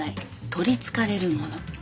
とり憑かれるもの。